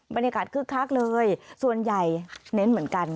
บรรยากาศคือคลักเลยส่วนใหญ่เน้นเหมือนกัน